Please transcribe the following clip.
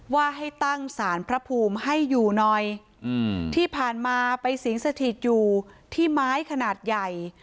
ว่าให้ตั้งสารพระภูมิให้อยู่หน่อยอืมที่ผ่านมาไปสิงสถิตอยู่ที่ไม้ขนาดใหญ่